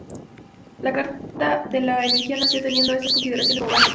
La Carta de la Energía nació teniendo estas consideraciones como base.